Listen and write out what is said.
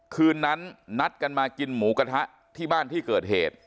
คืนนั้นนัดกันมากินหมูกระทะที่บ้านที่เกิดเหตุ